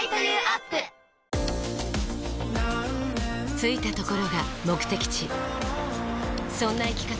着いたところが目的地そんな生き方